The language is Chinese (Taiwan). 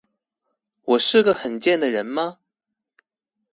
我是個很賤的人嗎